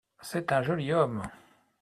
C’est un joli homme.